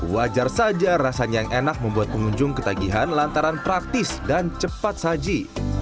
wajar saja rasanya yang enak membuat pengunjung ketagihan lantaran praktis dan cepat saji